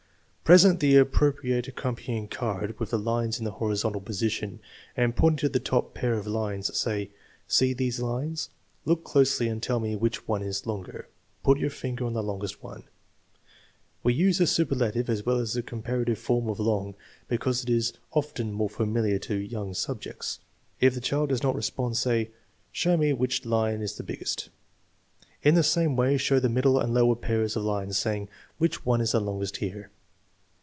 Present the appropriate accompanying card with the lines in the horizontal position, and pointing to the top pair of lines say: " See these lines. Look closely and tell vie which one ,c's longer. Put your finger on the longest g^!! _We uas^die superlative as well as the com Tftive form of long because it is often more familiar to young subjects. If the child does not respond, say: " Show me which line is the biggest" In the same way show the middle and lower pairs of lines, saying: " Which one is the longest here